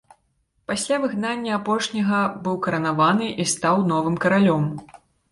Пасля выгнання апошняга быў каранаваны і стаў новым каралём.